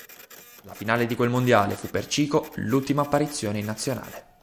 La finale di quel Mondiale fu per Chico l'ultima apparizione in Nazionale.